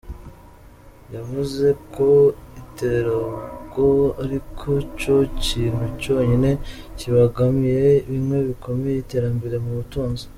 Yavuze ko iterabwo ariko co kintu conyene kibangamiye bimwe bikomeye iterambere mu butunzi.